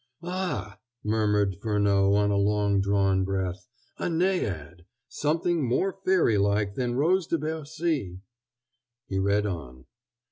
"Ah h h!..." murmured Furneaux on a long drawn breath, "'A Naiad'! Something more fairy like than Rose de Bercy!" He read on.